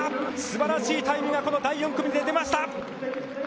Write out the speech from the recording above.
素晴らしいタイムが第４組で出ました。